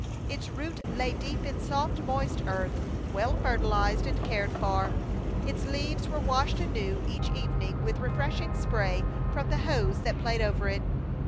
Its root lay deep in soft, moist earth well fertilized and cared for; its leaves were washed anew each evening with refreshing spray from the hose that played over it.